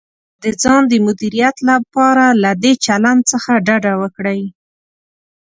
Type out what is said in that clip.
د ځان د مدیریت لپاره له دې چلند څخه ډډه وکړئ: